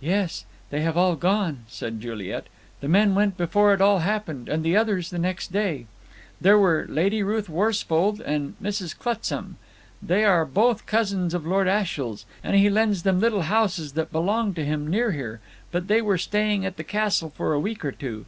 "Yes, they have all gone," said Juliet. "The men went before it all happened, and the others the next day. There were Lady Ruth Worsfold and Mrs. Clutsam; they are both cousins of Lord Ashiel's, and he lends them little houses that belong to him near here, but they were staying at the castle for a week or two.